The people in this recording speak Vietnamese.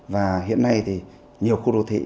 và hiện nay thì nhiều khu đô thị